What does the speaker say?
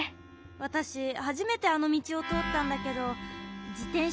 わたしはじめてあのみちをとおったんだけどじてんしゃがね